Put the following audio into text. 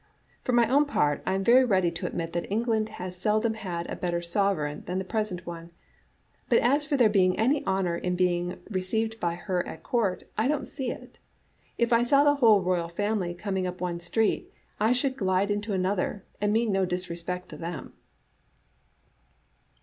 For my own part, I am very ready to admit that Eng land has seldom had a better sovereign than the pres ent one, but as for there being any honor in being re ceived by her at Court, I don't see it. If I saw the whole royal family coming up one street I should glide into another, and mean no disrespect to them."